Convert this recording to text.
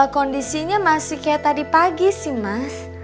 kondisinya masih kayak tadi pagi sih mas